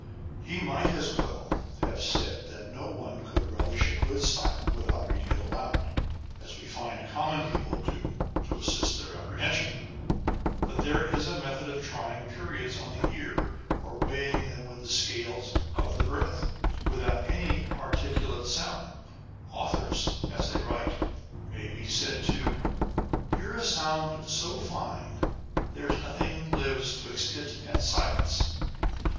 He might as well have said that no one could relish a good style without reading it aloud, as we find common people do to assist their apprehension. But there is a method of trying periods on the ear, or weighing them with the scales of the breath, without any articulate sound. Authors, as they write, may be said to " hear a sound so fine, there's nothing lives 'twixt it and silence."